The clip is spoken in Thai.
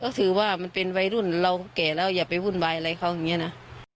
ก็คือว่ามันเป็นวัยรุ่นเราแก่แล้วอย่าไปวุ่นวายอะไรเขาอย่างนี้นะ